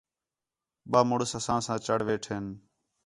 ٻَئہ مُݨس اساں سا چڑھ ویٹھن